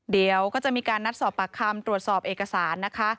เดี๋ยวก็จะมีการนัดสอบปากคำตรวจสอบเอกสารนะคะ